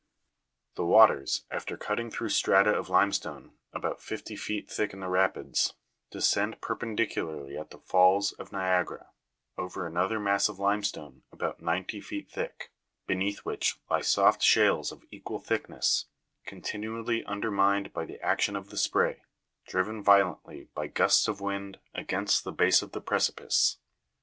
" The waters, after cutting through strata of limestone, about fifty feet thick in the rapids, descend perpendicularly at the falls (of Niagara) over another mass of limestone about ninety feet thick, beneath which lie soft shales of equal thickness, continually undermined by the action of the spray, driven violently by gusts of wind against the base of the precipice.